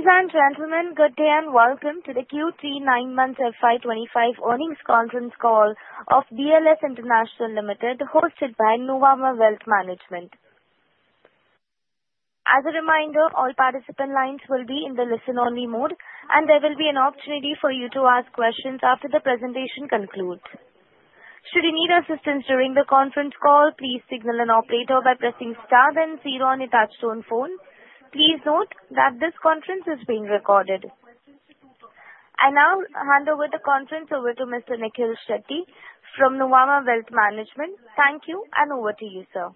Ladies and gentlemen, good day and welcome to the Q3 9 Month FY25 Earnings Conference Call of BLS International Limited, hosted by Nuvama Wealth Management. As a reminder, all participant lines will be in the listen-only mode, and there will be an opportunity for you to ask questions after the presentation concludes. Should you need assistance during the conference call, please signal an operator by pressing star then zero on the touch-tone phone. Please note that this conference is being recorded. I now hand over the conference to Mr. Nikhil Shetty from Nuvama Wealth Management. Thank you, and over to you, sir.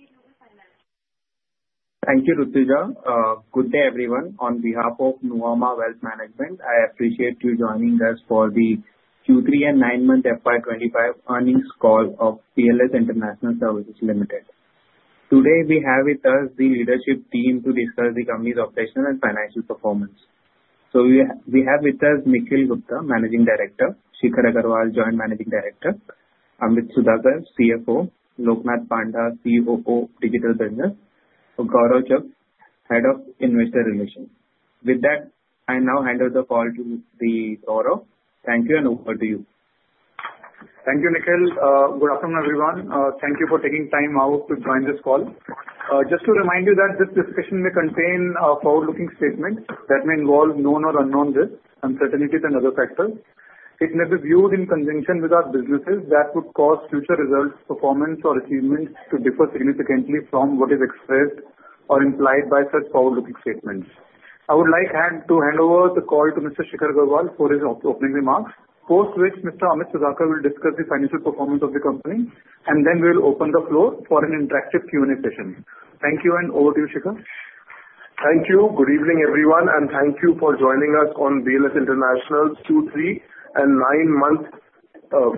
Thank you, Rutuja. Good day, everyone. On behalf of Nuvama Wealth Management, I appreciate you joining us for the Q3 and 9 Month FY25 Earnings Call of BLS International Services Limited. Today, we have with us the leadership team to discuss the company's operational and financial performance. So we have with us Nikhil Gupta, Managing Director, Shikhar Aggarwal, Joint Managing Director, Amit Sudhakar, CFO, Loknath Panda, COO, Digital Business, Gaurav Chugh, Head of Investor Relations. With that, I now hand over the call to Gaurav. Thank you, and over to you. Thank you, Nikhil. Good afternoon, everyone. Thank you for taking time out to join this call. Just to remind you that this discussion may contain forward-looking statements that may involve known or unknown risks, uncertainties, and other factors. It may be viewed in conjunction with other businesses that could cause future results, performance, or achievements to differ significantly from what is expressed or implied by such forward-looking statements. I would like to hand over the call to Mr. Shikhar Aggarwal for his opening remarks, post which Mr. Amit Sudhakar will discuss the financial performance of the company, and then we'll open the floor for an interactive Q&A session. Thank you, and over to you, Shikhar. Thank you. Good evening, everyone, and thank you for joining us on BLS International's Q3 and 9-Month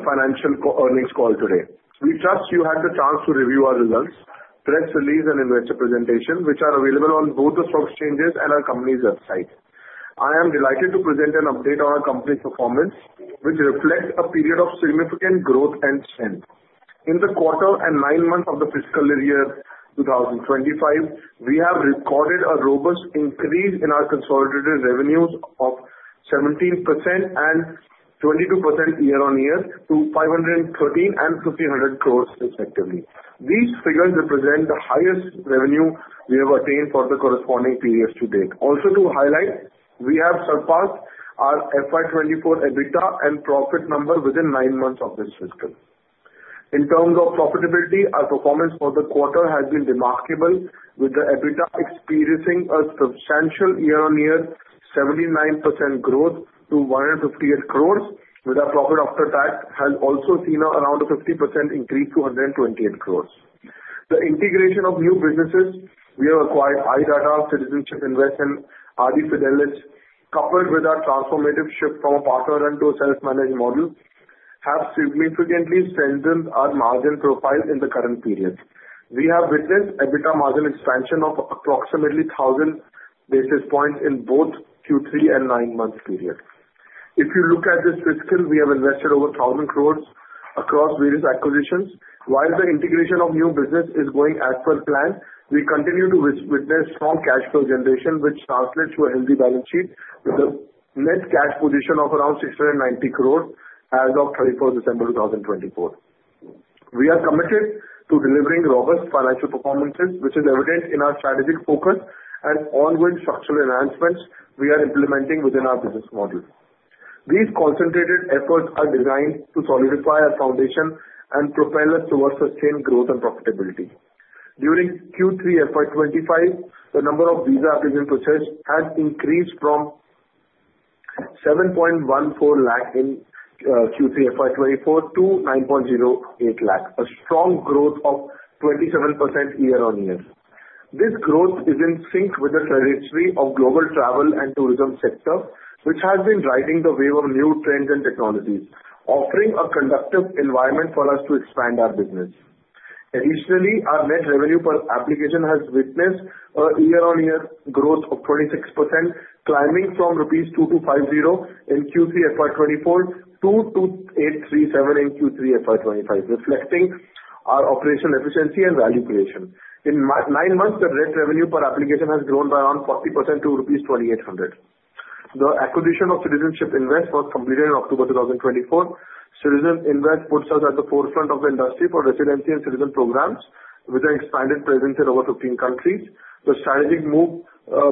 Financial Earnings Call today. We trust you had the chance to review our results, press release, and investor presentation, which are available on both the stock exchanges and our company's website. I am delighted to present an update on our company's performance, which reflects a period of significant growth and spend. In the quarter and 9 months of the fiscal year 2025, we have recorded a robust increase in our consolidated revenues of 17% and 22% year-on-year to 513 crores and 1,500 crores respectively. These figures represent the highest revenue we have attained for the corresponding periods to date. Also, to highlight, we have surpassed our FY24 EBITDA and profit number within 9 months of this fiscal. In terms of profitability, our performance for the quarter has been remarkable, with the EBITDA experiencing a substantial year-on-year 79% growth to 158 crores. Our profit after tax has also seen around a 50% increase to 128 crores. The integration of new businesses, we have acquired iDATA, Citizenship Invest, and Aadifidelis, coupled with our transformative shift from a partner and to a self-managed model have significantly strengthened our margin profile in the current period. We have witnessed EBITDA margin expansion of approximately 1,000 basis points in both Q3 and 9 Month periods. If you look at this fiscal, we have invested over 1,000 crores across various acquisitions. While the integration of new business is going as per plan, we continue to witness strong cash flow generation, which translates to a healthy balance sheet with a net cash position of around 690 crores as of 31st December 2024. We are committed to delivering robust financial performances, which is evident in our strategic focus and ongoing structural enhancements we are implementing within our business model. These concentrated efforts are designed to solidify our foundation and propel us towards sustained growth and profitability. During Q3 FY25, the number of visa application processes has increased from 7.14 lakh in Q3 FY24 to 9.08 lakh, a strong growth of 27% year-on-year. This growth is in sync with the trajectory of global travel and tourism sector, which has been riding the wave of new trends and technologies, offering a conducive environment for us to expand our business. Additionally, our net revenue per application has witnessed a year-on-year growth of 26%, climbing from rupees 2,250 in Q3 FY24 to 2,837 in Q3 FY25, reflecting our operational efficiency and value creation. In nine months, the net revenue per application has grown by around 40% to rupees 2,800. The acquisition of Citizenship Invest was completed in October 2024. Citizenship Invest puts us at the forefront of the industry for residency and citizen programs with an expanded presence in over 15 countries. The strategic move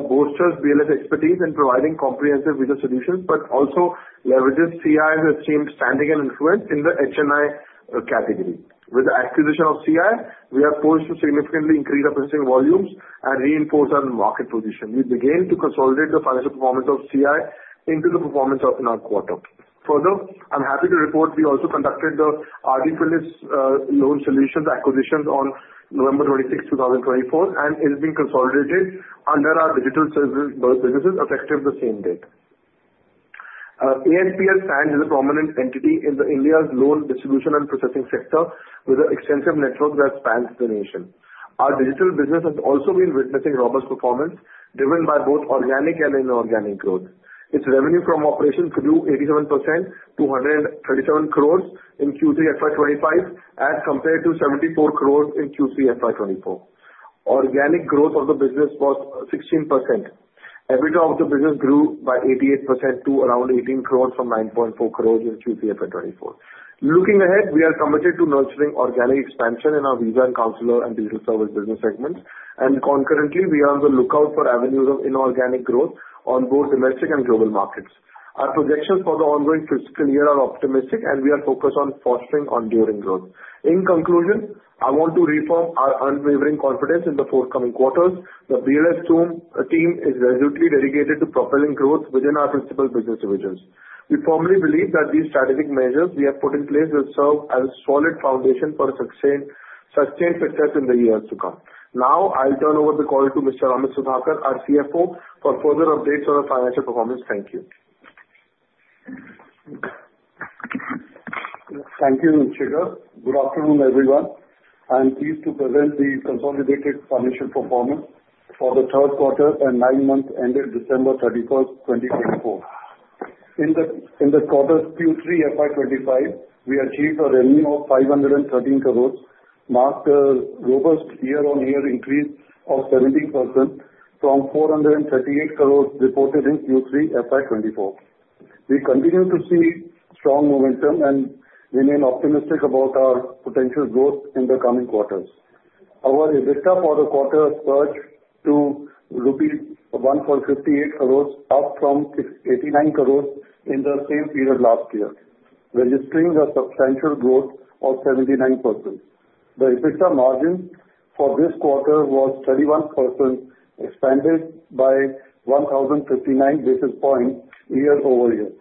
bolsters BLS expertise in providing comprehensive visa solutions, but also leverages CI's esteemed standing and influence in the HNI category. With the acquisition of CI, we are poised to significantly increase our processing volumes and reinforce our market position. We began to consolidate the financial performance of CI into the performance in our quarter. Further, I'm happy to report we also conducted the Aadifidelis Loan Solutions acquisition on November 26, 2024, and it's being consolidated under our digital services businesses effective the same date. ASPL stands as a prominent entity in India's loan distribution and processing sector with an extensive network that spans the nation. Our digital business has also been witnessing robust performance driven by both organic and inorganic growth. Its revenue from operations grew 87% to 137 crores in Q3 FY25 as compared to 74 crores in Q3 FY24. Organic growth of the business was 16%. EBITDA of the business grew by 88% to around 18 crores from 9.4 crores in Q3 FY24. Looking ahead, we are committed to nurturing organic expansion in our visa and consular and digital service business segments, and concurrently, we are on the lookout for avenues of inorganic growth on both domestic and global markets. Our projections for the ongoing fiscal year are optimistic, and we are focused on fostering ongoing growth. In conclusion, I want to reaffirm our unwavering confidence in the forthcoming quarters. The BLS team is resolutely dedicated to propelling growth within our principal business divisions. We firmly believe that these strategic measures we have put in place will serve as a solid foundation for sustained success in the years to come. Now, I'll turn over the call to Mr. Amit Sudhakar, our CFO, for further updates on our financial performance. Thank you. Thank you, Nikhil. Good afternoon, everyone. I am pleased to present the consolidated financial performance for the third quarter and nine months ended December 31, 2024. In the quarter Q3 FY25, we achieved a revenue of 513 crores, marked a robust year-on-year increase of 17% from 438 crores reported in Q3 FY24. We continue to see strong momentum and remain optimistic about our potential growth in the coming quarters. Our EBITDA for the quarter surged to Rs 1,458 crores, up from 89 crores in the same period last year, registering a substantial growth of 79%. The EBITDA margin for this quarter was 31%, expanded by 1,059 basis points year-over-year.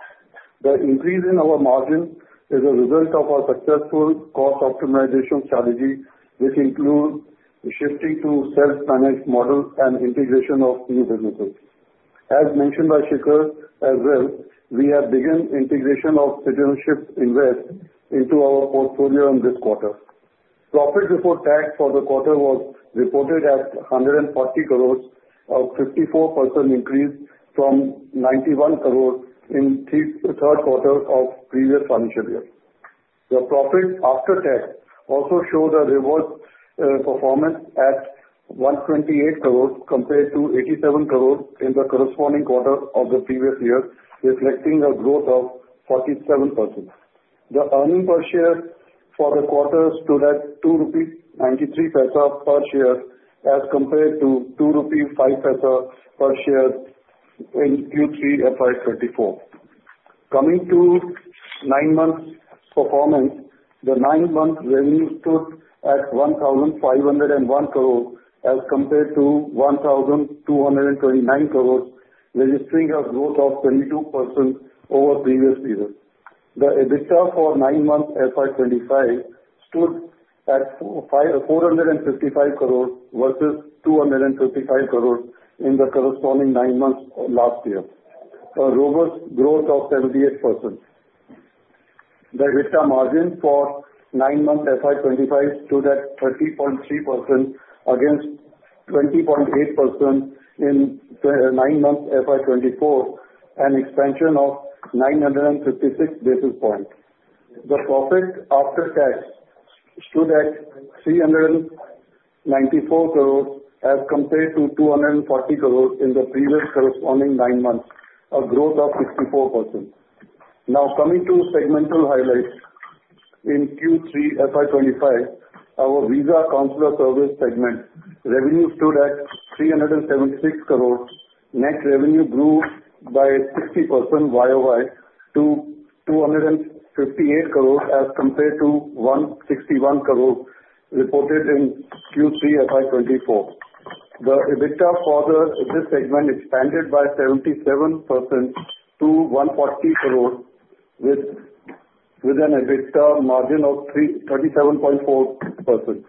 The increase in our margin is a result of our successful cost optimization strategy, which includes shifting to a self-managed model and integration of new businesses. As mentioned by Shikhar as well, we have begun integration of Citizenship Invest into our portfolio in this quarter. Profit before tax for the quarter was reported at 140 crores, a 54% increase from 91 crores in the third quarter of the previous financial year. The profit after tax also showed a robust performance at 128 crores compared to 87 crores in the corresponding quarter of the previous year, reflecting a growth of 47%. The earnings per share for the quarter stood at INR 2.93 per share as compared to 2.05 rupees per share in Q3 FY24. Coming to 9 months' performance, the 9-month revenue stood at 1,501 crores as compared to 1,229 crores, registering a growth of 22% over the previous period. The EBITDA for 9 months FY25 stood at 455 crores versus 255 crores in the corresponding 9 months last year, a robust growth of 78%. The EBITDA margin for 9 months FY25 stood at 30.3% against 20.8% in 9 months FY24, an expansion of 956 basis points. The profit after tax stood at 394 crores as compared to 240 crores in the previous corresponding 9 months, a growth of 64%. Now, coming to segmental highlights in Q3 FY25, our visa consular service segment revenue stood at 376 crores. Net revenue grew by 60% YOY to 258 crores as compared to 161 crores reported in Q3 FY24. The EBITDA for this segment expanded by 77% to 140 crores, with an EBITDA margin of 37.4%.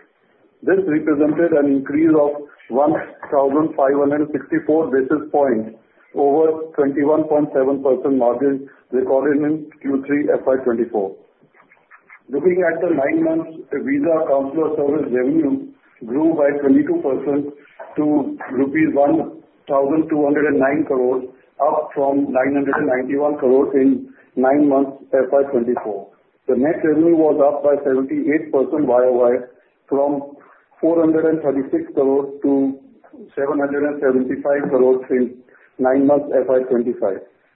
This represented an increase of 1,564 basis points over a 21.7% margin recorded in Q3 FY24. Looking at the 9-month visa consular service revenue, it grew by 22% to Rs 1,209 crores, up from 991 crores in 9 months FY24. The net revenue was up by 78% YOY from 436 crores to 775 crores in 9 months FY25.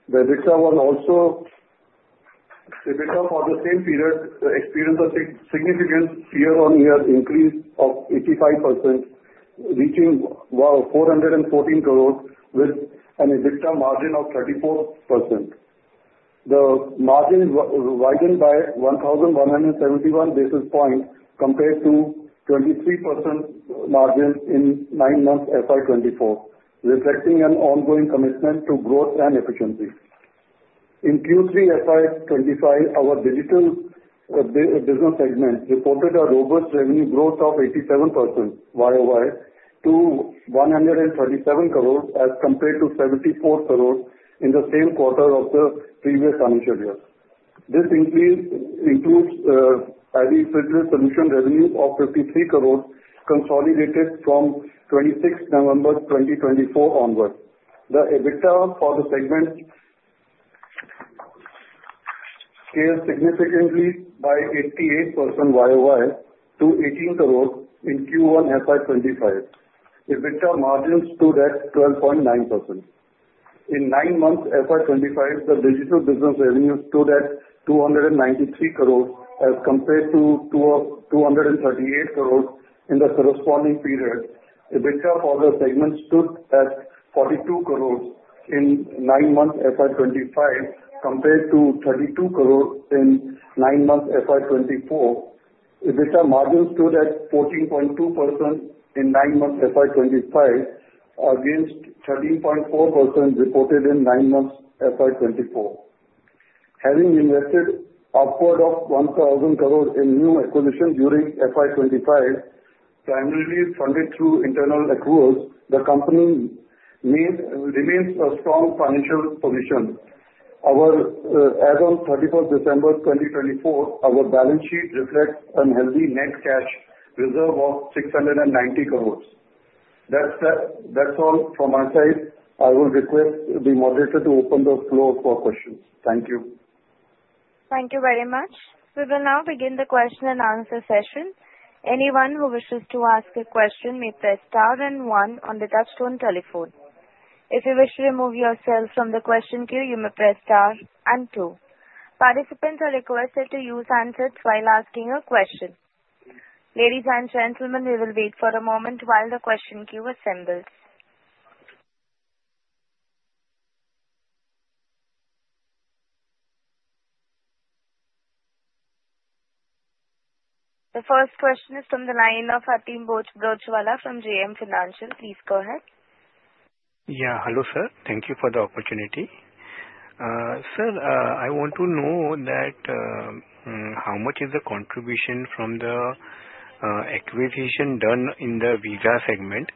The EBITDA was also for the same period experienced a significant year-on-year increase of 85%, reaching 414 crores with an EBITDA margin of 34%. The margin widened by 1,171 basis points compared to 23% margin in 9 months FY24, reflecting an ongoing commitment to growth and efficiency. In Q3 FY25, our digital business segment reported a robust revenue growth of 87% YOY to 137 crores as compared to 74 crores in the same quarter of the previous financial year. This increase includes Aadifidelis Solutions' revenue of 53 crores consolidated from 26 November 2024 onward. The EBITDA for the segment scaled significantly by 88% YOY to 18 crores in Q1 FY25. EBITDA margin stood at 12.9%. In 9 months FY25, the digital business revenue stood at 293 crores as compared to 238 crores in the corresponding period. EBITDA for the segment stood at 42 crores in 9 months FY25 compared to 32 crores in 9 months FY24. EBITDA margin stood at 14.2% in 9 months FY25 against 13.4% reported in 9 months FY24. Having invested upward of 1,000 crores in new acquisitions during FY25, primarily funded through internal accruals, the company remains in a strong financial position. As of 31st December 2024, our balance sheet reflects a healthy net cash reserve of 690 crores. That's all from my side. I will request the moderator to open the floor for questions. Thank you. Thank you very much. We will now begin the question and answer session. Anyone who wishes to ask a question may press star and one on the touch-tone telephone. If you wish to remove yourself from the question queue, you may press star and two. Participants are requested to use handsets while asking a question. Ladies and gentlemen, we will wait for a moment while the question queue assembles. The first question is from the line of Arjun Bhojwani from JM Financial. Please go ahead. Yeah, hello, sir. Thank you for the opportunity. Sir, I want to know how much is the contribution from the acquisition done in the visa segment?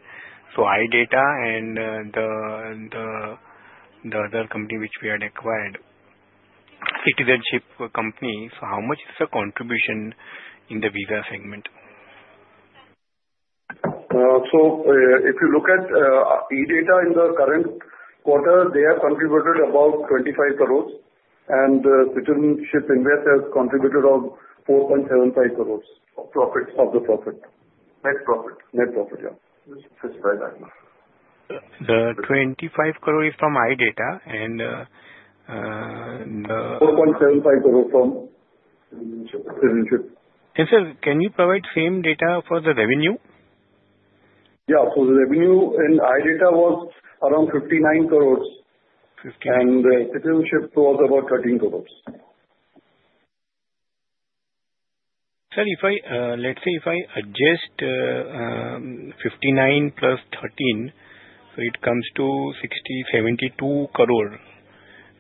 So iDATA and the other company which we had acquired, Citizenship Company. So how much is the contribution in the visa segment? So if you look at iDATA in the current quarter, they have contributed about 25 crores, and Citizenship Invest has contributed 4.75 crores of the net profit. The 25 crores is from iDATA and the- 4.75 crores from Citizenship. Sir, can you provide the same data for the revenue? Yeah. So the revenue in iDATA was around 59 crores, and Citizenship was about 13 crores. Sir, let's say if I adjust 59 plus 13, so it comes to 60, 72 crores.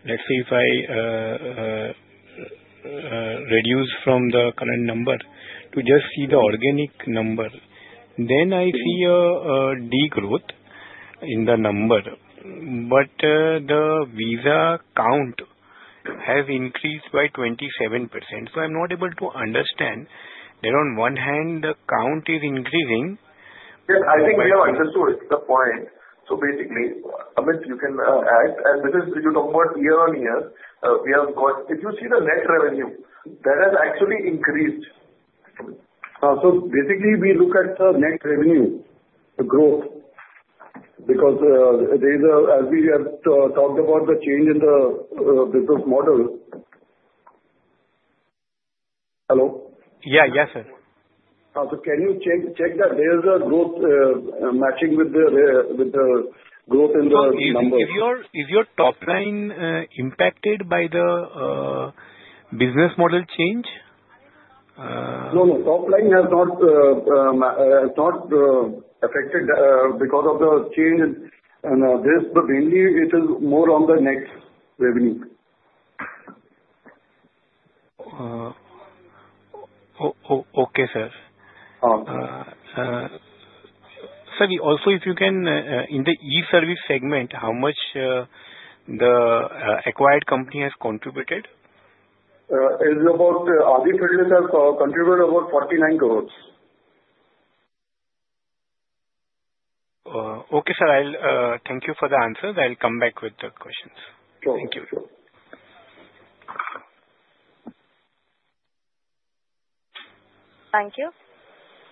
Let's say if I reduce from the current number to just see the organic number, then I see a degrowth in the number, but the visa count has increased by 27%. So I'm not able to understand. On one hand, the count is increasing. Yes, I think we have understood the point. So basically, Amit, you can add, and this is if you talk about year-on-year, we have got if you see the net revenue, that has actually increased. So basically, we look at the net revenue growth because as we have talked about the change in the business model. Hello? Yeah, yes, sir. Can you check that there is a growth matching with the growth in the numbers? Is your top line impacted by the business model change? No, no. Top line has not affected because of the change, and mainly, it is more on the net revenue. Okay, sir. Huh? Sir, also if you can, in the eService segment, how much the acquired company has contributed? It is about Aadifidelis has contributed about 49 crores. Okay, sir. Thank you for the answers. I'll come back with the questions. Sure. Thank you. Thank you.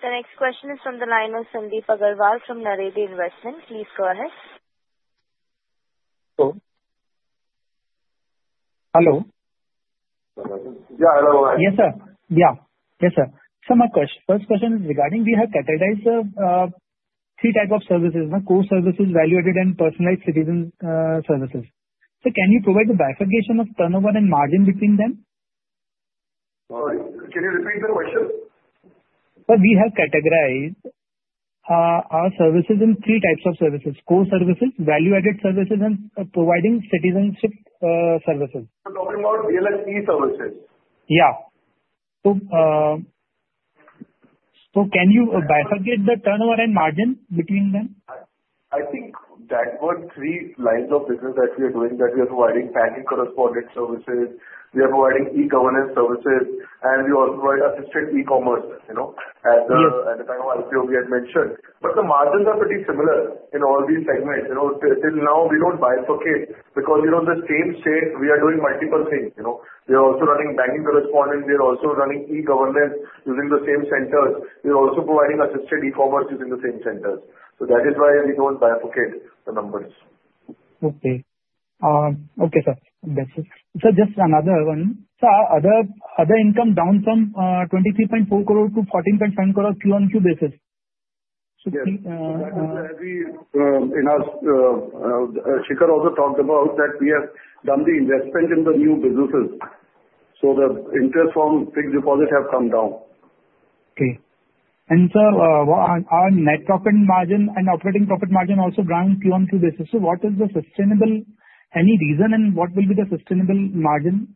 The next question is from the line of Sandeep Agarwal from Naredi Investment. Please go ahead. Hello. Hello? Yeah, hello. Yes, sir. So my first question is regarding we have categorized three types of services, core services, value-added, and personalized citizen services. So can you provide the bifurcation of turnover and margin between them? Sorry, can you repeat the question? So we have categorized our services in three types of services: core services, value-added services, and providing citizenship services. I'm talking about BLS eServices. Yeah. So can you bifurcate the turnover and margin between them? I think that's what three lines of business that we are doing, that we are providing banking correspondent services, we are providing e-governance services, and we also provide assisted e-commerce. At the time of IPO we had mentioned. But the margins are pretty similar in all these segments. Till now, we don't bifurcate because in the same state, we are doing multiple things. We are also running banking correspondent. We are also running e-governance using the same centers. We are also providing assisted e-commerce using the same centers. So that is why we don't bifurcate the numbers. Okay. Okay, sir. That's it. Sir, just another one. So are other income down from 23.4 crores to 14.7 crores Q1 Q basis? Yes. In our Shikhar also talked about that we have done the investment in the new businesses. So the interest from fixed deposits have come down. Okay. And sir, our net profit margin and operating profit margin also grew on QoQ basis. So what is the sustainable? Any reason, and what will be the sustainable margin?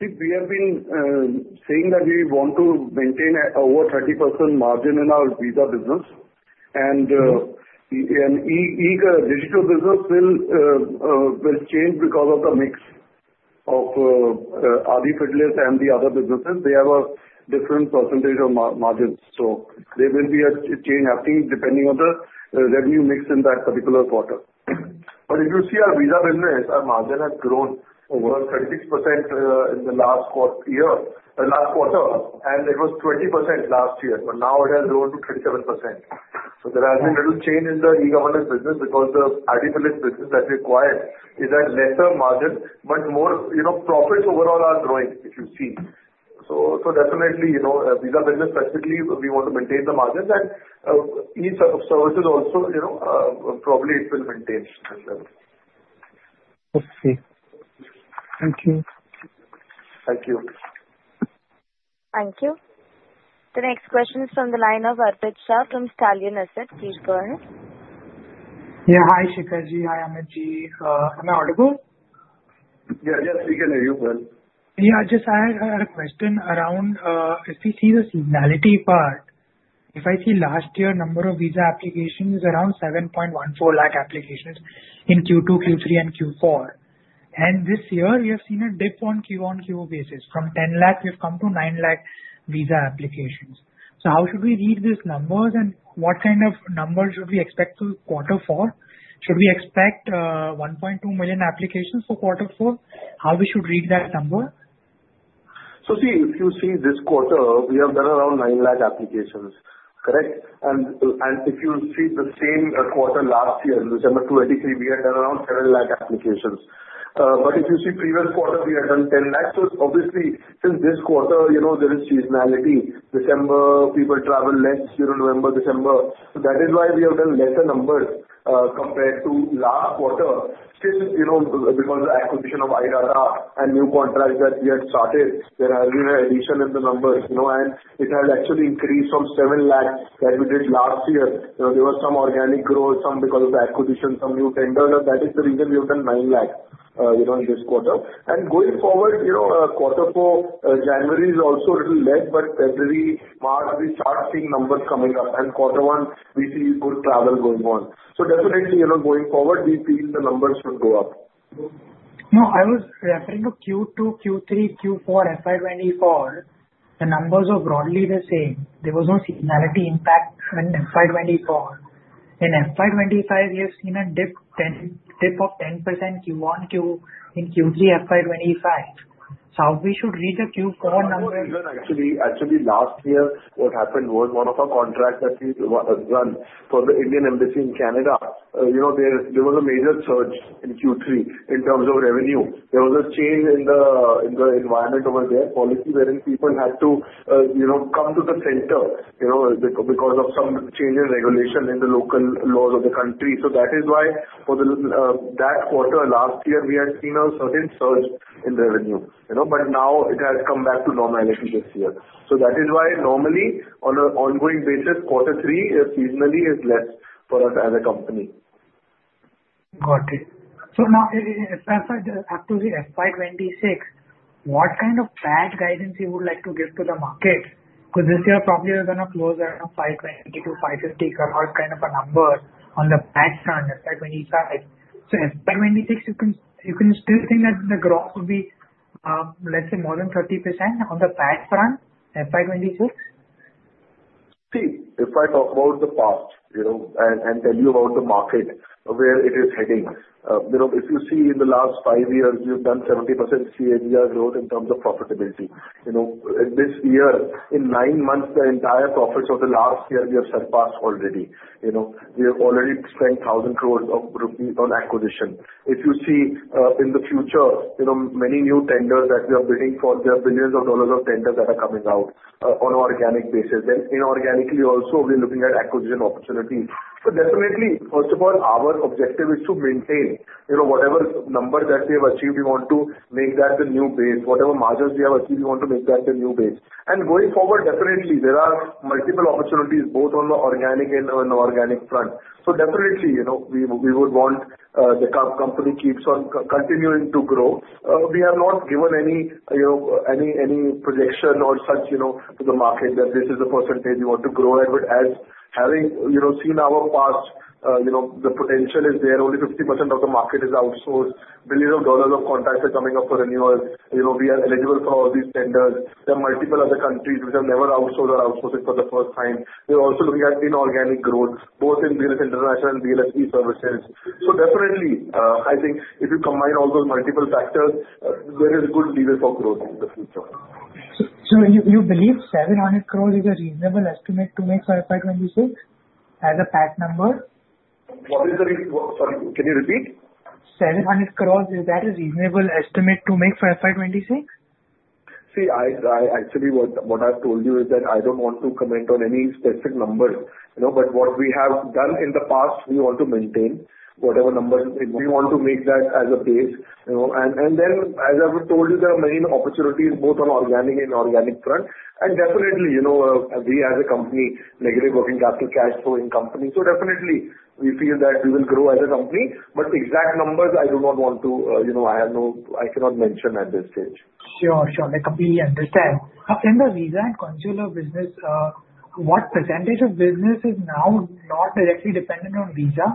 I think we have been saying that we want to maintain over 30% margin in our visa business, and digital business will change because of the mix of Aadifidelis and the other businesses. They have a different percentage of margins, so there will be a change, I think, depending on the revenue mix in that particular quarter. But if you see our visa business, our margin has grown over 36% in the last quarter, and it was 20% last year, but now it has grown to 37%, so there has been a little change in the e-governance business because the Aadifidelis business that we acquired is at lesser margin, but more profits overall are growing, if you see, so definitely, visa business specifically, we want to maintain the margins, and each of the services also, probably it will maintain that level. Okay. Thank you. Thank you. Thank you. The next question is from the line of Arpit Shah from Stallion Asset. Please go ahead. Yeah, hi, Shikharji. Hi, Amitji. Am I audible? Yeah, yes, we can hear you well. Yeah, just I had a question around if we see the seasonality part. If I see last year number of visa applications is around 7.14 lakh applications in Q2, Q3, and Q4. And this year, we have seen a dip on QoQ basis. From 10 lakh, we have come to 9 lakh visa applications. So how should we read these numbers, and what kind of numbers should we expect for quarter four? Should we expect 1.2 million applications for quarter four? How we should read that number? So see, if you see this quarter, we have done around nine lakh applications, correct? And if you see the same quarter last year, December 2023, we had done around seven lakh applications. But if you see previous quarter, we had done 10 lakh. So obviously, since this quarter, there is seasonality. December, people travel less. November, December. So that is why we have done lesser numbers compared to last quarter. Because of the acquisition of iDATA and new contracts that we had started, there has been an addition in the numbers. And it has actually increased from seven lakh that we did last year. There was some organic growth, some because of the acquisition, some new tenders. And that is the reason we have done nine lakh in this quarter. And going forward, quarter four, January is also a little less, but February, March, we start seeing numbers coming up. And quarter one, we see good travel going on. So definitely, going forward, we think the numbers should go up. No, I was referring to Q2, Q3, Q4, FY24. The numbers were broadly the same. There was no seasonality impact in FY24. In FY25, we have seen a dip of 10% in Q1 in Q3 FY25. So, how should we read the Q4 number? Actually, last year, what happened was one of our contracts that we run for the Indian Embassy in Canada. There was a major surge in Q3 in terms of revenue. There was a change in the environment over there, policy wherein people had to come to the center because of some change in regulation in the local laws of the country. So that is why for that quarter last year, we had seen a certain surge in revenue. But now it has come back to normality this year. So that is why normally, on an ongoing basis, quarter three seasonally is less for us as a company. Got it. So now, as far as actually FY26, what kind of broad guidance you would like to give to the market? Because this year, probably we're going to close around 520-550 crores kind of a number on the visa front, FY25. So FY26, you can still think that the growth will be, let's say, more than 30% on the visa front, FY26? See, if I talk about the past and tell you about the market, where it is heading. If you see in the last five years, we have done 70% CAGR growth in terms of profitability. This year, in nine months, the entire profits of the last year we have surpassed already. We have already spent 1,000 crore rupees on acquisition. If you see in the future, many new tenders that we are bidding for, there are $ billions of tenders that are coming out on an organic basis. And inorganically also, we are looking at acquisition opportunities. But definitely, first of all, our objective is to maintain whatever number that we have achieved. We want to make that the new base. Whatever margins we have achieved, we want to make that the new base. And going forward, definitely, there are multiple opportunities both on the organic and inorganic front. So definitely, we would want the company to keep on continuing to grow. We have not given any projection or such to the market that this is the percentage we want to grow. But as having seen our past, the potential is there. Only 50% of the market is outsourced. Billions of dollars of contracts are coming up for renewal. We are eligible for all these tenders. There are multiple other countries which are never outsourced or outsourcing for the first time. We are also looking at inorganic growth, both in BLS International and BLS eServices. So definitely, I think if you combine all those multiple factors, there is a good lever for growth in the future. So you believe 700 crores is a reasonable estimate to make for FY26 as a PAT number? What is the reason? Sorry, can you repeat? 700 crores, is that a reasonable estimate to make for FY26? See, actually, what I've told you is that I don't want to comment on any specific numbers. But what we have done in the past, we want to maintain whatever numbers we want to make that as a base. And then, as I've told you, there are many opportunities both on organic and inorganic front. And definitely, we as a company, negative working capital cash-flowing company. So definitely, we feel that we will grow as a company. But exact numbers, I do not want to. I cannot mention at this stage. Sure, sure. I completely understand. In the visa and consular business, what percentage of business is now not directly dependent on visa?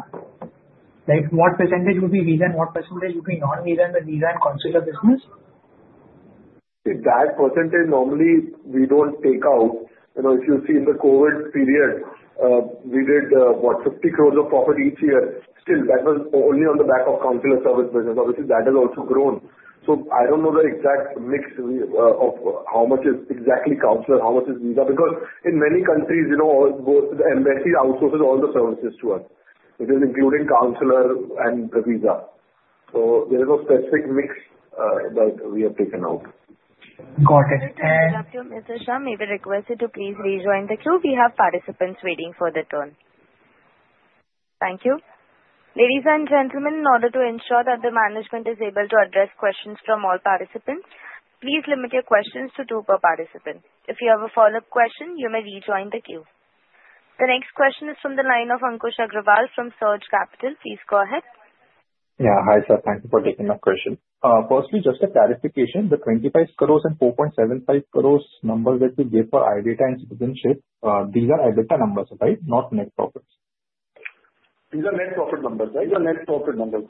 What percentage will be visa and what percentage will be non-visa in the visa and consular business? See, that percentage normally we don't take out. If you see in the COVID period, we did, what, 50 crores of profit each year. Still, that was only on the back of consular service business. Obviously, that has also grown. So I don't know the exact mix of how much is exactly consular, how much is visa. Because in many countries, the embassy outsources all the services to us, including consular and the visa. So there is no specific mix that we have taken out. Got it. Mr. Shah, may we request you to please rejoin the queue? We have participants waiting for their turn. Thank you. Ladies and gentlemen, in order to ensure that the management is able to address questions from all participants, please limit your questions to two per participant. If you have a follow-up question, you may rejoin the queue. The next question is from the line of Ankush Agarwal from Surge Capital. Please go ahead. Yeah, hi, sir. Thank you for taking my question. Firstly, just a clarification, the 25 crores and 4.75 crores numbers that you gave for iDATA and citizenship, these are EBITDA numbers, right? Not net profits? These are net profit numbers, right? These are net profit numbers.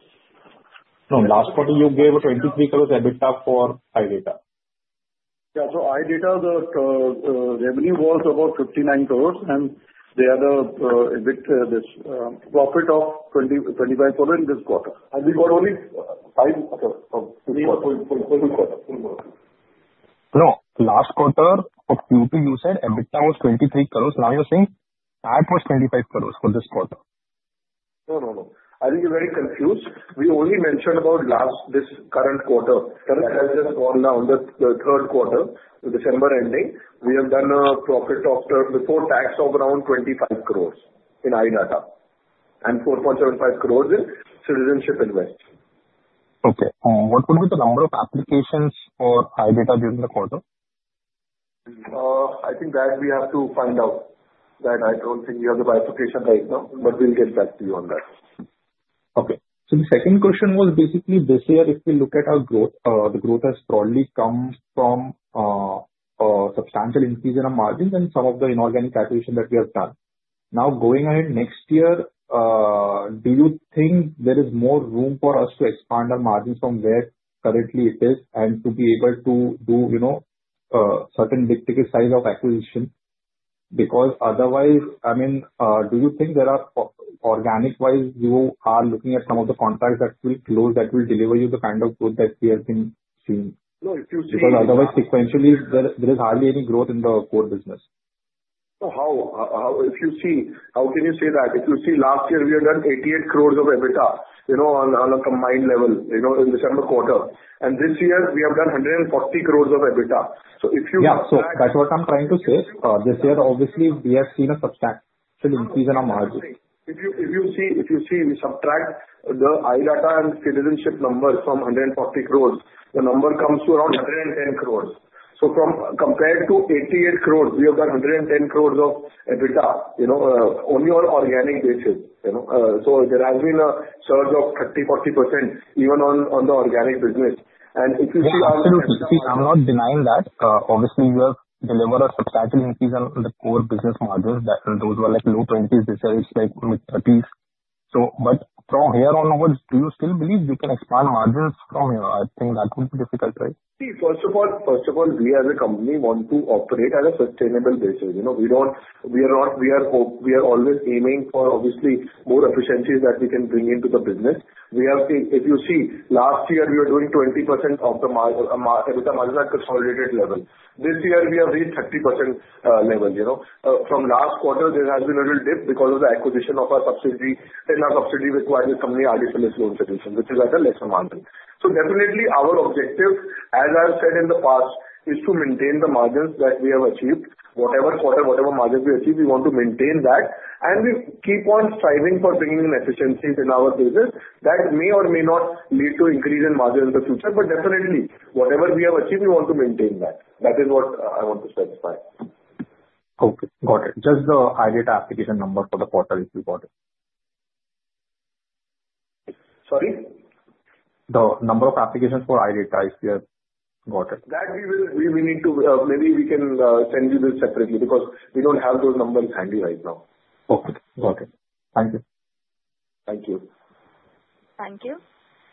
No, last quarter, you gave 23 crores EBITDA for iDATA. Yeah, so iDATA, the revenue was about 59 crores, and they had a profit of 25 crores in this quarter. No, last quarter of Q2, you said EBITDA was 23 crores. Now you're saying that was 25 crores for this quarter. No, no, no. I think you're very confused. We only mentioned about this current quarter. That has just gone down. The third quarter, December ending, we have done a profit before tax of around 25 crores in iDATA and 4.75 crores in Citizenship Invest. Okay. What will be the number of applications for iDATA during the quarter? I think that we have to find out. I don't think we have the bifurcation right now, but we'll get back to you on that. Okay. So the second question was basically this year, if we look at our growth, the growth has broadly come from a substantial increase in our margins and some of the inorganic acquisition that we have done. Now, going ahead next year, do you think there is more room for us to expand our margins from where currently it is and to be able to do certain big ticket size of acquisition? Because otherwise, I mean, do you think there are organic-wise, you are looking at some of the contracts that will deliver you the kind of growth that we have been seeing? Because otherwise, sequentially, there is hardly any growth in the core business. If you see, how can you say that? If you see, last year, we had done 88 crores of EBITDA on a combined level in December quarter. And this year, we have done 140 crores of EBITDA. So if you look at that. Yeah, so that's what I'm trying to say. This year, obviously, we have seen a substantial increase in our margins. If you see, we subtract the iDATA and citizenship numbers from 140 crores, the number comes to around 110 crores. So compared to 88 crores, we have done 110 crores of EBITDA only on an organic basis. So there has been a surge of 30%-40% even on the organic business. And if you see our. Absolutely. See, I'm not denying that. Obviously, we have delivered a substantial increase on the core business margins. Those were like low 20s this year. It's like mid 30s. But from here onwards, do you still believe we can expand margins from here? I think that would be difficult, right? See, first of all, we as a company want to operate on a sustainable basis. We are always aiming for, obviously, more efficiencies that we can bring into the business. If you see, last year, we were doing 20% of the EBITDA margins at consolidated level. This year, we have reached 30% level. From last quarter, there has been a little dip because of the acquisition of our subsidiary, then our subsidiary required this company Aadifidelis solution, which is at a lesser margin. So definitely, our objective, as I've said in the past, is to maintain the margins that we have achieved. Whatever quarter, whatever margins we achieve, we want to maintain that, and we keep on striving for bringing in efficiencies in our business that may or may not lead to increase in margins in the future. But definitely, whatever we have achieved, we want to maintain that. That is what I want to specify. Okay. Got it. Just the iDATA application number for the quarter, if you got it. Sorry? The number of applications for iDATA this year. Got it. That we will need to maybe we can send you this separately because we don't have those numbers handy right now. Okay. Got it. Thank you. Thank you. Thank you.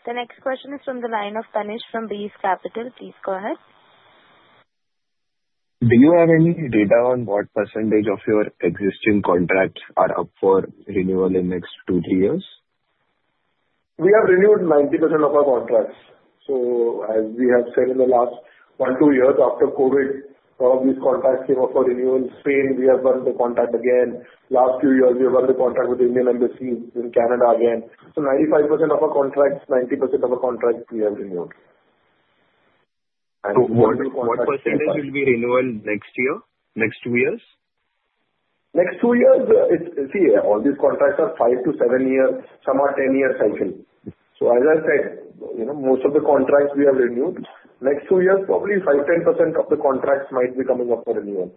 The next question is from the line of Tanish from Beas Capital. Please go ahead. Do you have any data on what percentage of your existing contracts are up for renewal in the next two, three years? We have renewed 90% of our contracts. So as we have said in the last one or two years, after COVID, all of these contracts came up for renewal. Spain, we have done the contract again. Last few years, we have done the contract with the Indian Embassy in Canada again. So 95% of our contracts, 90% of our contracts we have renewed. So what percentage will be renewal next year, next two years? Next two years, see, all these contracts are 5 to 7 years, some are 10-year cycle. So as I said, most of the contracts we have renewed. Next two years, probably 5%-10% of the contracts might be coming up for renewal.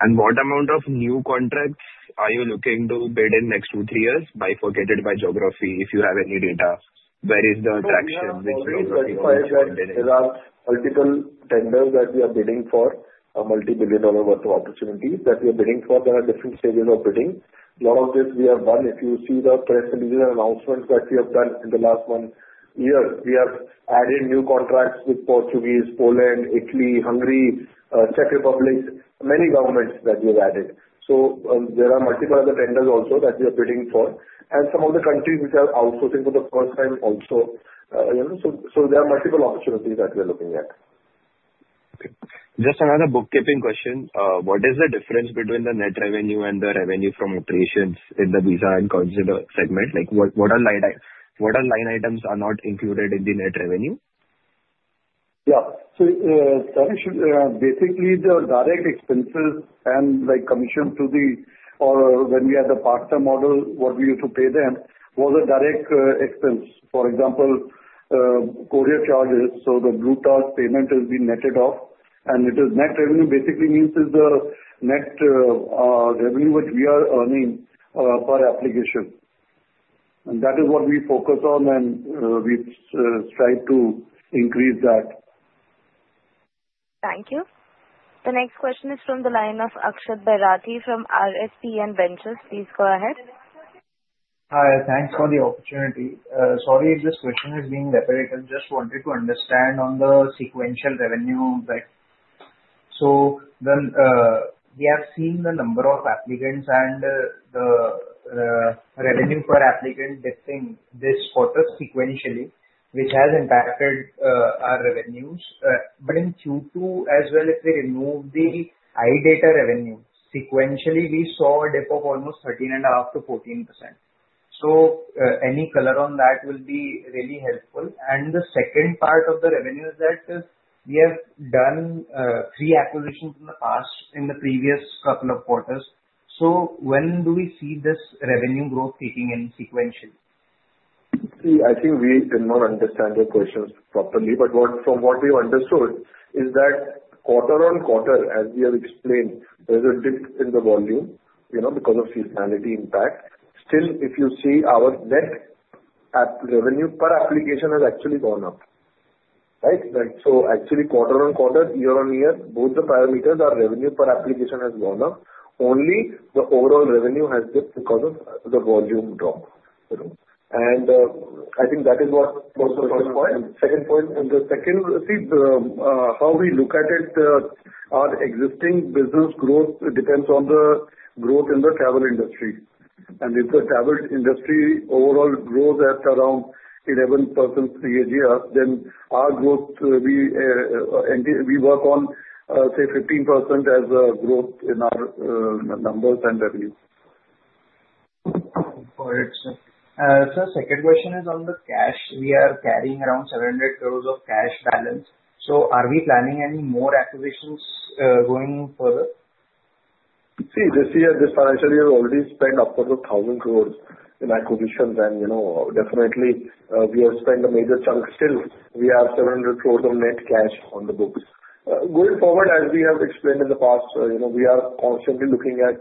And what amount of new contracts are you looking to bid in the next two, three years? Bifurcated by geography, if you have any data, where is the traction? There are multiple tenders that we are bidding for, multi-billion-dollar worth of opportunities that we are bidding for. There are different stages of bidding. A lot of this we have done. If you see the press releases and announcements that we have done in the last one year, we have added new contracts with Portugal, Poland, Italy, Hungary, Czech Republic, many governments that we have added, so there are multiple other tenders also that we are bidding for, and some of the countries which are outsourcing for the first time also, so there are multiple opportunities that we are looking at. Okay. Just another bookkeeping question. What is the difference between the net revenue and the revenue from operations in the visa and consular segment? What are line items that are not included in the net revenue? Yeah. So Tanish, basically, the direct expenses and commission to the or when we had the part-time model, what we used to pay them was a direct expense. For example, courier charges. So the Blue Dart payment has been netted off. And net revenue basically means the net revenue which we are earning per application. And that is what we focus on, and we strive to increase that. Thank you. The next question is from the line of Akshat Bairathi from RSPN Ventures. Please go ahead. Hi. Thanks for the opportunity. Sorry if this question is being repetitive. Just wanted to understand on the sequential revenue. So we have seen the number of applicants and the revenue per applicant dipping this quarter sequentially, which has impacted our revenues. But in Q2 as well, if we remove the iDATA revenue, sequentially, we saw a dip of almost 13.5%-14%. So any color on that will be really helpful. And the second part of the revenue is that we have done three acquisitions in the past, in the previous couple of quarters. So when do we see this revenue growth peaking in sequentially? See, I think we did not understand your questions properly. But from what we've understood is that quarter on quarter, as we have explained, there is a dip in the volume because of seasonality impact. Still, if you see our net revenue per application has actually gone up, right? So actually, quarter on quarter, year on year, both the parameters are revenue per application has gone up. Only the overall revenue has dipped because of the volume drop. And I think that is what was the first point. The second, see, how we look at it, our existing business growth depends on the growth in the travel industry. And if the travel industry overall grows at around 11% year to year, then our growth, we work on, say, 15% as a growth in our numbers and revenue. Got it, sir. So the second question is on the cash. We are carrying around 700 crores of cash balance. So are we planning any more acquisitions going further? See, this year, this financial year has already spent upwards of 1,000 crores in acquisitions. And definitely, we have spent a major chunk. Still, we have 700 crores of net cash on the books. Going forward, as we have explained in the past, we are constantly looking at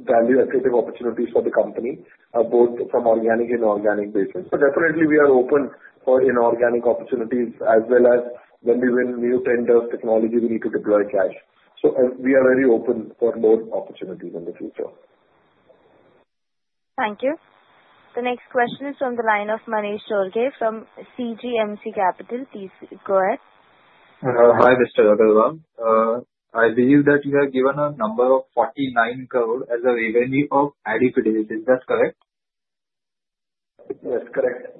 value-added opportunities for the company, both from organic and inorganic basis. But definitely, we are open for inorganic opportunities as well as when we win new tenders, technology, we need to deploy cash. So we are very open for more opportunities in the future. Thank you. The next question is from the line of Manish Choraghe from KJMC Capital. Please go ahead. Hi, Mr. Agarwal. I believe that you have given a number of 49 crores as a revenue for Aadifidelis. Is that correct? Yes, correct.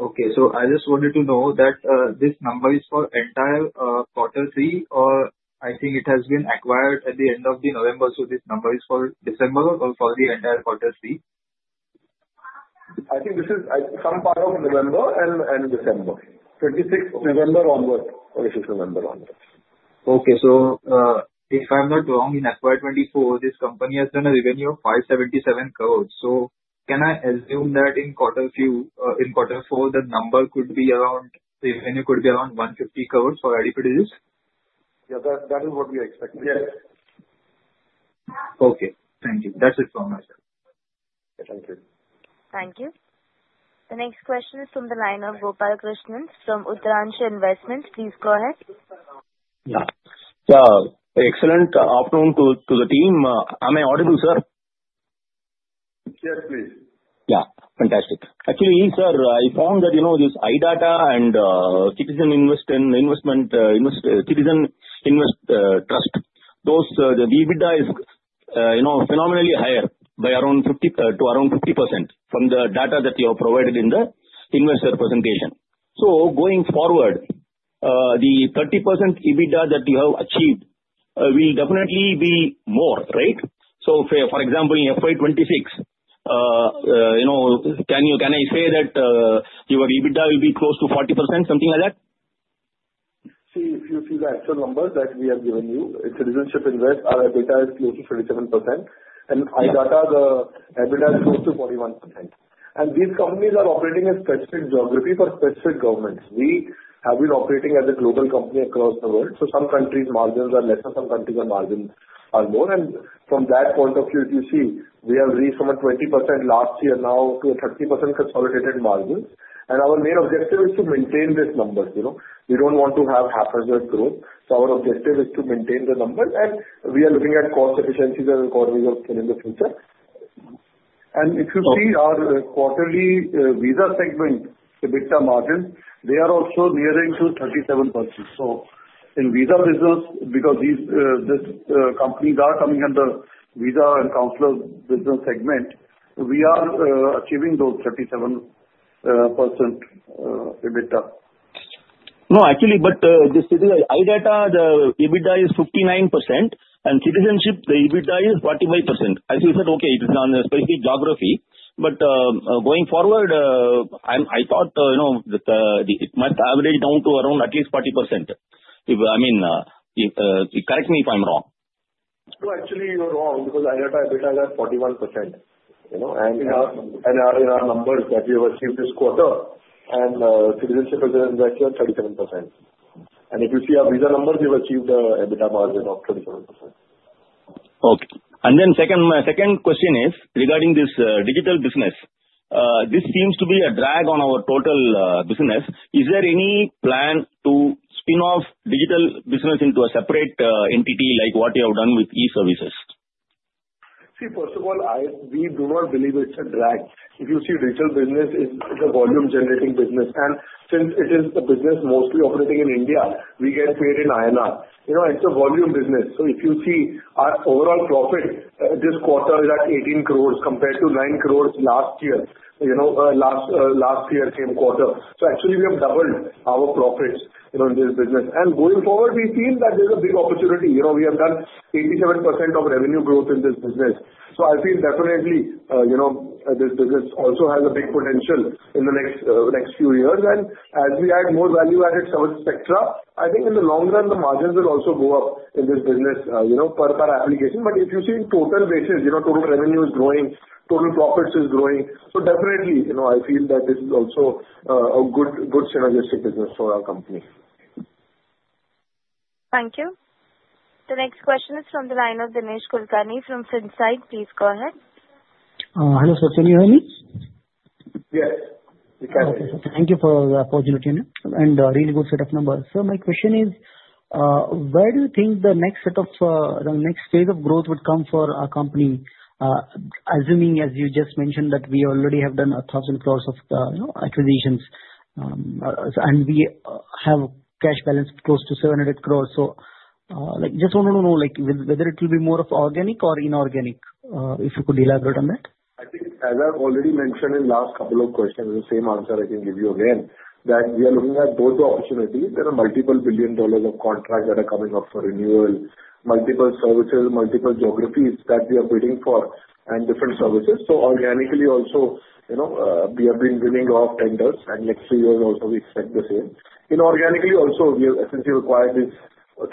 Okay. So I just wanted to know that this number is for entire quarter three, or I think it has been acquired at the end of November. So this number is for December or for the entire quarter three? I think this is some part of November and December. 26th November onward. Okay, so if I'm not wrong, in FY24, this company has done a revenue of 577 crores. Can I assume that in quarter four, the number could be around, revenue could be around 150 crores for Aadifidelis? Yes, that is what we expected. Yes. Okay. Thank you. That's it from my side. Thank you. Thank you. The next question is from the line of Gopal Krishnan from Uttaranchal Investments. Please go ahead. Good afternoon to the team. Am I audible, sir? Yes, please. Yeah. Fantastic. Actually, sir, I found that this iDATA and Citizenship Invest, those the dividend is phenomenally higher by around 50% from the data that you have provided in the investor presentation. So going forward, the 30% EBITDA that you have achieved will definitely be more, right? So for example, in FY26, can I say that your EBITDA will be close to 40%, something like that? See, if you see the actual numbers that we have given you, Citizenship Invest, our EBITDA is close to 37%. And iDATA, the EBITDA is close to 41%. And these companies are operating in specific geographies for specific governments. We have been operating as a global company across the world. So some countries' margins are lesser, some countries' margins are more. And from that point of view, if you see, we have reached from a 20% last year now to a 30% consolidated margin. And our main objective is to maintain these numbers. We don't want to have haphazard growth. So our objective is to maintain the numbers. And we are looking at cost efficiencies and cost results in the future. And if you see our quarterly visa segment EBITDA margins, they are also nearing to 37%. So in visa business, because these companies are coming under visa and consular business segment, we are achieving those 37% EBITDA. No, actually, but the iDATA, the EBITDA is 59%, and Citizenship, the EBITDA is 45%. As you said, okay, it's on a specific geography, but going forward, I thought it might average down to around at least 40%. I mean, correct me if I'm wrong. No, actually, you're wrong because iDATA EBITDA got 41%. And in our numbers that we have achieved this quarter, and Citizenship Investment is at 37%. And if you see our visa numbers, we've achieved an EBITDA margin of 27%. Okay. And then second question is regarding this digital business. This seems to be a drag on our total business. Is there any plan to spin off digital business into a separate entity like what you have done with e-services? See, first of all, we do not believe it's a drag. If you see, digital business is a volume-generating business. And since it is a business mostly operating in India, we get paid in INR. It's a volume business. So if you see, our overall profit this quarter is at 18 crores compared to nine crores last year same quarter. So actually, we have doubled our profits in this business. And going forward, we feel that there's a big opportunity. We have done 87% of revenue growth in this business. So I feel definitely this business also has a big potential in the next few years. And as we add more value-added services, etc., I think in the long run, the margins will also go up in this business per application. But if you see, on a total basis, total revenue is growing, total profits are growing. So definitely, I feel that this is also a good synergistic business for our company. Thank you. The next question is from the line of Dinesh Kulkarni from FinSight. Please go ahead. Hello, sir. Can you hear me? Thank you for the opportunity. Really good set of numbers. My question is, where do you think the next set of the next phase of growth would come for our company, assuming, as you just mentioned, that we already have done 1,000 crores of acquisitions and we have cash balance close to 700 crores? Just want to know whether it will be more of organic or inorganic if you could elaborate on that. As I've already mentioned in the last couple of questions, the same answer I can give you again, that we are looking at both the opportunities. There are multiple billion dollars of contracts that are coming up for renewal, multiple services, multiple geographies that we are bidding for, and different services, so organically also we have been winning of tenders, and next few years also we expect the same. Inorganically also, since we acquired these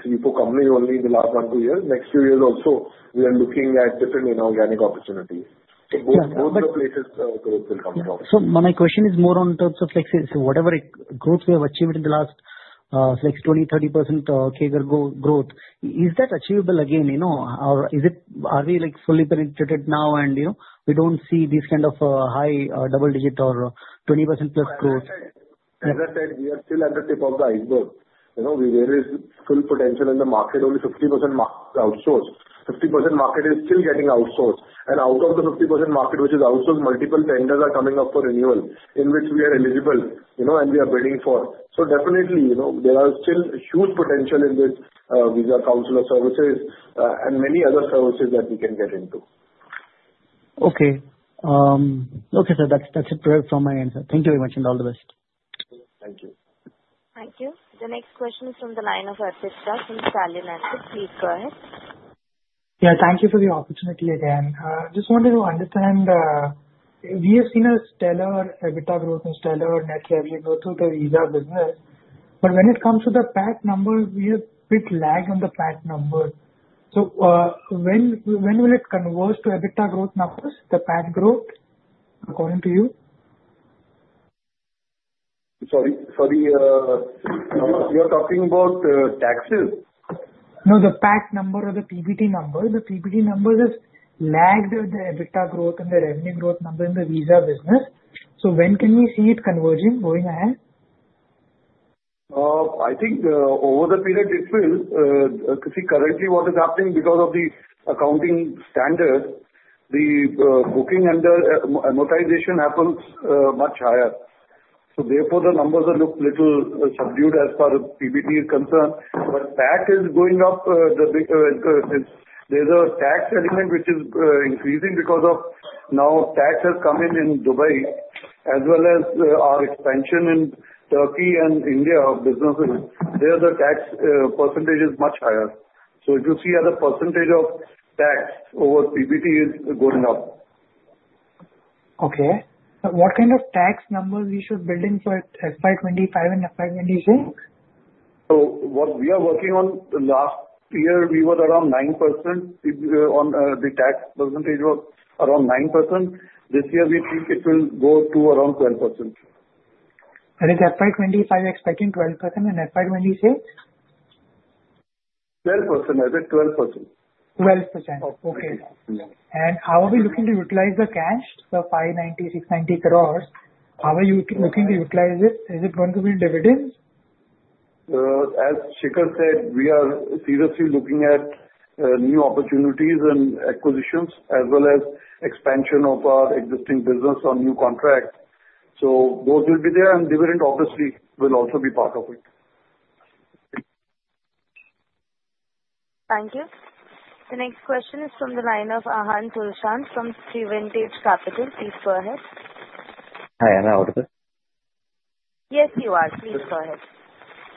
three, four companies only in the last one or two years, next few years also we are looking at different inorganic opportunities, so both the places growth will come from. So my question is more in terms of whatever growth we have achieved in the last 20%-30% growth, is that achievable again? Are we fully penetrated now, and we don't see this kind of high double-digit or 20% plus growth? As I said, we are still at the tip of the iceberg. We have full potential in the market. Only 50% outsourced. 50% market is still getting outsourced. And out of the 50% market, which is outsourced, multiple tenders are coming up for renewal in which we are eligible and we are bidding for. So definitely, there are still huge potential in this visa consular services and many other services that we can get into. Okay. Okay, sir. That's it from my end, sir. Thank you very much and all the best. Thank you. Thank you. The next question is from the line of Arpit Shah from Stallion Asset. Please go ahead. Yeah. Thank you for the opportunity again. I just wanted to understand. We have seen a stellar EBITDA growth and stellar net revenue growth through the visa business. But when it comes to the PAT numbers, we have a bit of a lag on the PAT numbers. So when will it converge to EBITDA growth numbers, the PAT growth, according to you? Sorry. You're talking about taxes? No, the PAT number or the PBT number. The PBT number has lagged the EBITDA growth and the revenue growth number in the visa business. So when can we see it converging, going ahead? I think over the period, it will. Currently, what is happening because of the accounting standard, the booking and amortization happens much higher. So therefore, the numbers look a little subdued as far as PBT is concerned. But PAT is going up. There's a tax element which is increasing because now tax has come in in Dubai, as well as our expansion in Turkey and India businesses. There's a tax percentage that is much higher. So if you see the percentage of tax over PBT is going up. Okay. What kind of tax numbers we should build in for FY25 and FY26? What we are working on last year, we were around 9%. The tax percentage was around 9%. This year, we think it will go to around 12%. Is FY25 expecting 12% and FY26? 12%, as in 12%. 12%. Okay. And how are we looking to utilize the cash, the 590-690 crores? How are you looking to utilize it? Is it going to be in dividends? As Shikhar said, we are seriously looking at new opportunities and acquisitions as well as expansion of our existing business on new contracts. So those will be there, and dividend, obviously, will also be part of it. Thank you. The next question is from the line of Ahaan Tulshan from Trivantage Capital. Please go ahead. Hi. Am I audible? Yes, you are. Please go ahead.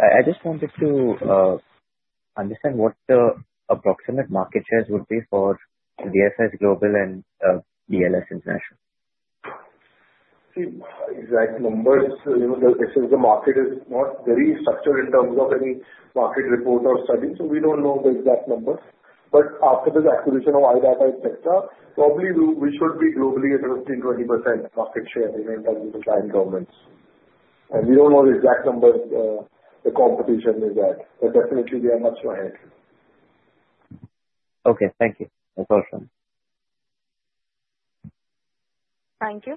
I just wanted to understand what the approximate market shares would be for VFS Global and BLS International. Exact numbers, since the market is not very structured in terms of any market report or study, so we don't know the exact numbers, but after the acquisition of iDATA, etc., probably we should be globally at 15%-20% market share in client governments, and we don't know the exact number, the competition is at, but definitely, we are much ahead. Okay. Thank you. That's all from me. Thank you.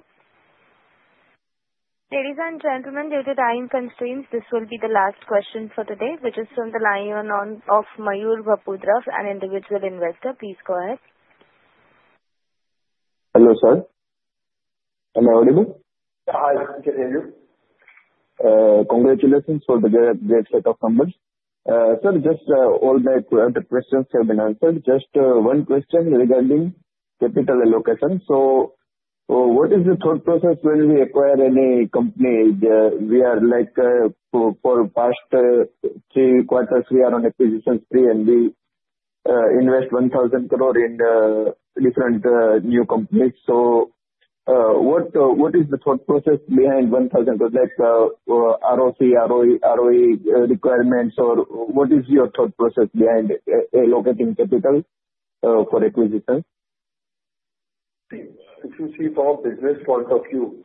Ladies and gentlemen, due to time constraints, this will be the last question for today, which is from the line of Mayur Bapodra, an individual investor. Please go ahead. Hello, sir. Am I audible? Hi. I can hear you. Congratulations for the great set of numbers. Sir, just all my questions have been answered. Just one question regarding capital allocation. So what is the thought process when we acquire any company? For the past three quarters, we are on acquisitions three, and we invest 1,000 crores in different new companies. So what is the thought process behind 1,000 crores? ROC, ROE requirements, or what is your thought process behind allocating capital for acquisitions? If you see from a business point of view,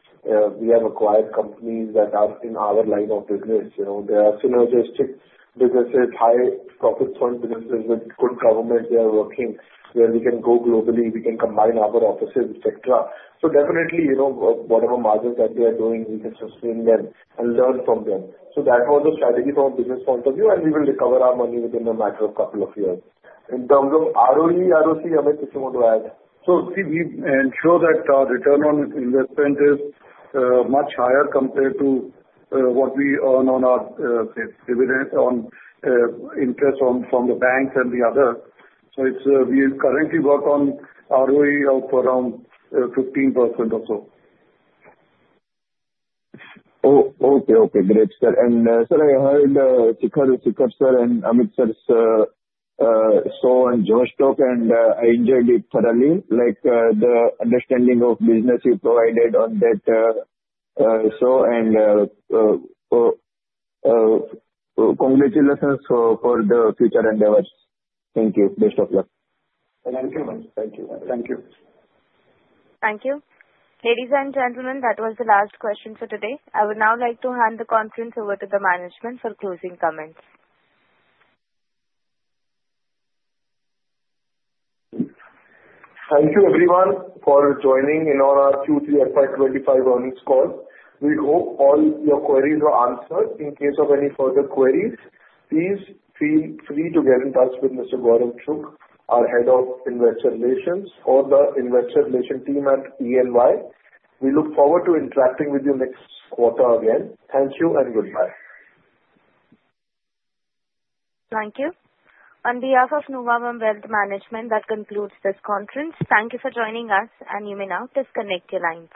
we have acquired companies that are in our line of business. They are synergistic businesses, high profit point businesses with good government. They are working where we can go globally. We can combine our offices, etc. So definitely, whatever margins that they are doing, we can sustain them and learn from them. So that was the strategy from a business point of view, and we will recover our money within a matter of a couple of years. In terms of ROE, ROC, Amit, if you want to add. So we ensure that our return on investment is much higher compared to what we earn on our interest from the banks and the others. So we currently work on ROE of around 15% or so. Okay. Great, sir. And sir, I heard Shikhar and Amit's show and your talk, and I enjoyed it thoroughly. The understanding of business you provided on that show, and congratulations for the future endeavors. Thank you. Best of luck. Thank you. Thank you. Thank you. Ladies and gentlemen, that was the last question for today. I would now like to hand the conference over to the management for closing comments. Thank you, everyone, for joining in our Q3 FY25 earnings call. We hope all your queries were answered. In case of any further queries, please feel free to get in touch with Mr. Gaurav Chugh, our head of investor relations, or the investor relations team at E&Y. We look forward to interacting with you next quarter again. Thank you and goodbye. Thank you. On behalf of Nuvama Wealth Management, that concludes this conference. Thank you for joining us, and you may now disconnect your line.